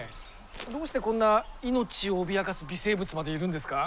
どうしてこんな命を脅かす微生物までいるんですか？